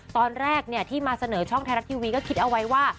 ตอนแรกที่มาเสนอช่องไทยรัฐทีวีก็คิดเอาไว้ว่า